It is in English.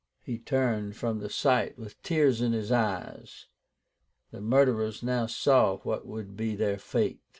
He turned from the sight with tears in his eyes. The murderers now saw what would be their fate.